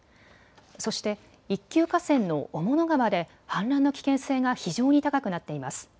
そして一級河川の雄物川で氾濫の危険性が非常に高くなっています。